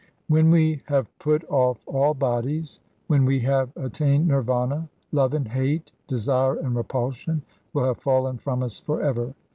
When we have put off all bodies, when we have attained Nirvana, love and hate, desire and repulsion, will have fallen from us for ever.